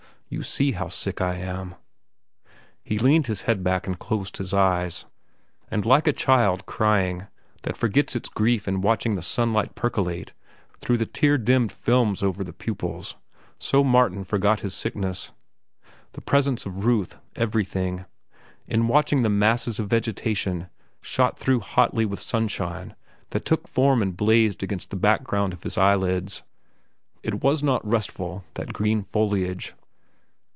You see how sick I am." He leaned his head back and closed his eyes; and like a child, crying, that forgets its grief in watching the sunlight percolate through the tear dimmed films over the pupils, so Martin forgot his sickness, the presence of Ruth, everything, in watching the masses of vegetation, shot through hotly with sunshine that took form and blazed against this background of his eyelids. It was not restful, that green foliage.